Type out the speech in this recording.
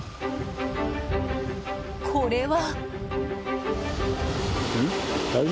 これは。